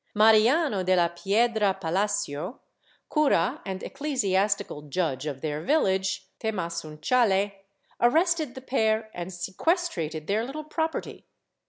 Mariano de la Piedra Palacio, cura and ecclesiastical judge of their village, Temasunchale, arrested the pair and sequestrated their little property.